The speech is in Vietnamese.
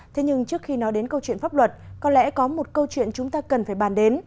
thế nhưng trước khi nói đến câu chuyện pháp luật có lẽ có một câu chuyện chúng ta cần phải bàn đến